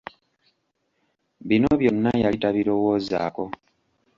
Bino byonna yali tabirowoozako.